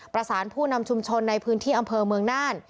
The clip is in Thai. ประสานผู้นำชุมชนในพื้นที่อำเภอเมืองน่าน